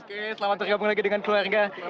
oke selamat bergabung lagi dengan keluarga